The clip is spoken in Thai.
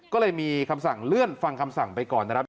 ก็เลยมีคำสั่งเลื่อนฟังคำสั่งไปก่อนนะครับ